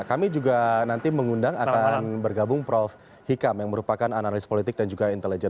kami juga nanti mengundang akan bergabung prof hikam yang merupakan analis politik dan juga intelijen